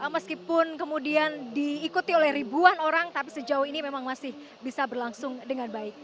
meskipun kemudian diikuti oleh ribuan orang tapi sejauh ini memang masih bisa berlangsung dengan baik